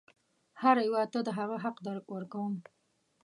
هر یوه ته د هغه حق ورکوم.